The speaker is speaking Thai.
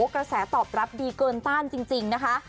กระแสตอบรับดีเกินต้านจริงนะคะ